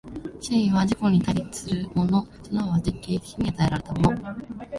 思惟は自己に対立するもの即ち経験に与えられたもの、